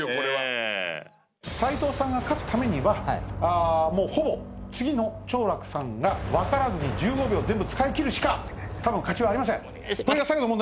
斎藤さんが勝つためにはもうほぼ次の長樂さんが分からずに１５秒全部使い切るしかたぶん勝ちはありません。